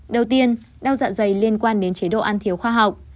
đầu tiên đau dạ dày liên quan đến chế độ ăn thiếu khoa học